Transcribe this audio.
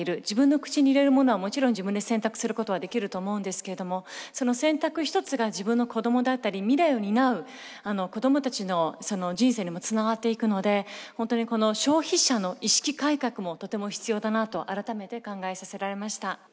自分の口に入れるものはもちろん自分で選択することはできると思うんですけれどもその選択一つが自分の子どもだったり未来を担うどもたちのその人生にもつながっていくので本当にこの消費者の意識改革もとても必要だなと改めて考えさせられました。